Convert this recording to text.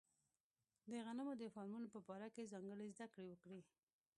د غنمو د فارمونو په باره کې ځانګړې زده کړې وکړي.